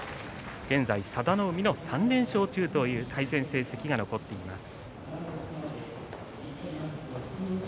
現在、佐田の海の３連勝中という対戦成績が残っています。